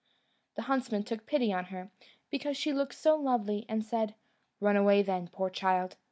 The huntsman took pity on her, because she looked so lovely, and said, "Run away then, poor child!"